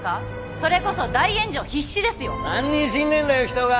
それこそ大炎上必至ですよ三人死んでんだよ人が！